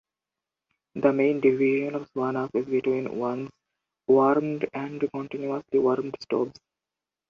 The main division of saunas is between once warmed and continuously warmed stoves.